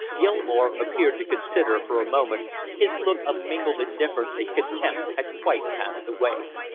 Gilmore appeared to consider for a moment, his look of mingled indifference and contempt had quite passed away.